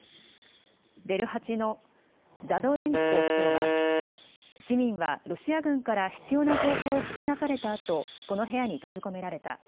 デルハチのザドレンコ市長は、市民はロシア軍から必要な情報を聞き出されたあと、この部屋に閉じ込められた。